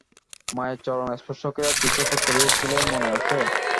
মায়ের চরণ স্পর্শ করিয়া কী শপথ করিয়াছিলে মনে আছে?